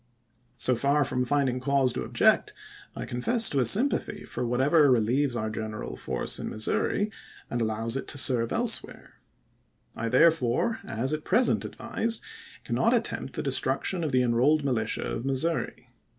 So far from finding cause to object, I confess to a sympathy for whatever relieves our general force in Missouri, and allows MISSOUKI EADICALS AND CONSEEVATIVES 223 it to serve elsewhere. I therefore, as at present advised, chap.viii. cannot attempt the destruction of the " Enrolled Militia " of Missouri.